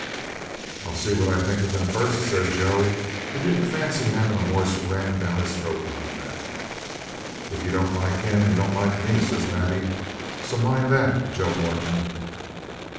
'I'll see what I think of him first,' says Joe, who didn't fancy having a horse rammed down his throat like that. 'If you don't like him you don't like me,' says Maddie. 'So mind that, Joe Moreton.'